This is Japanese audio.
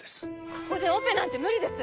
ここでオペなんて無理です